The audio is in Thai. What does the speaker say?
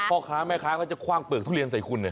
พ่อค้าแม่ค้าเขาจะคว่างเปลือกทุเรียนใส่คุณเนี่ย